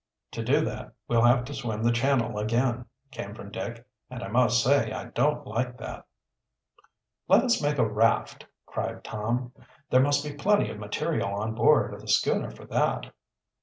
"To do that, we'll have to swim the channel again," came from Dick. "And I must say I don't like that." "Let us make a raft," cried Tom. "There must be plenty of material on board of the schooner for that."